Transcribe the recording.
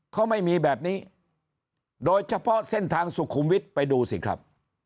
เขาไม่มีแบบนี้โดยเฉพาะเส้นทางสุขุมวิทย์ไปดูสิครับ